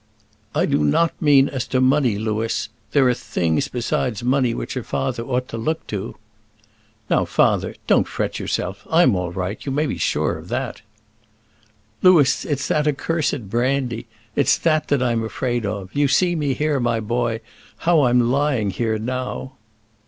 "I do not mean as to money, Louis. There are things besides money which a father ought to look to." "Now, father, don't fret yourself I'm all right; you may be sure of that." "Louis, it's that accursed brandy it's that that I'm afraid of: you see me here, my boy, how I'm lying here now."